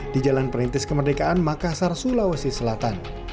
di jalan perintis kemerdekaan makassar sulawesi selatan